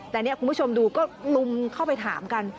แต่นี่คุณผู้ชมดูก็ลุมเข้าไปถามกัน